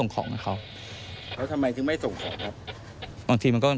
เคยเคยลองมากอีกครั้ง